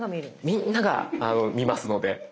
みんなが見ますので。